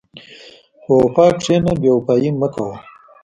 په وفا کښېنه، بېوفایي مه کوه.